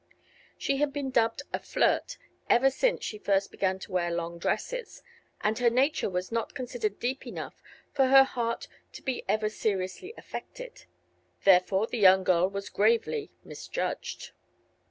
She had been dubbed a "flirt" ever since she first began to wear long dresses, and her nature was not considered deep enough for her heart to be ever seriously affected. Therefore the young girl was gravely misjudged.